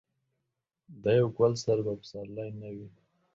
د یو ګل سره به پسرلی نه وي.